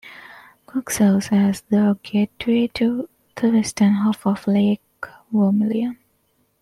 Cook serves as the gateway to the western half of Lake Vermilion.